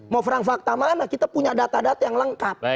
mau perang fakta mana kita punya data data yang lengkap